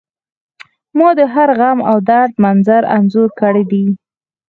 ما د هر غم او درد منظر انځور کړی دی